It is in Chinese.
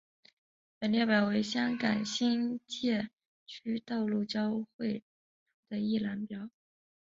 本列表为香港新界区道路交汇处的一览表。